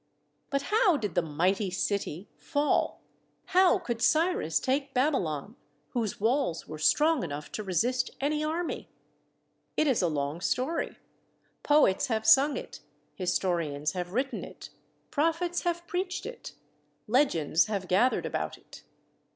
But how did the "mighty city" fall? How could Cyrus take Babylon whose walls were strong enough to resist any army? It is a long story. Poets have sung it. Historians have written it. Prophets have preached it. Legends have gathered about it.